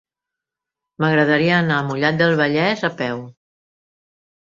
M'agradaria anar a Mollet del Vallès a peu.